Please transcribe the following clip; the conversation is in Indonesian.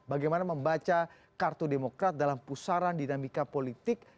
bagaimana membaca kartu demokrat dalam pusaran dinamika politik